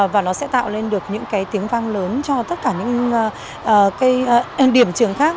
và nó sẽ tạo lên được những tiếng vang lớn cho tất cả những điểm trường khác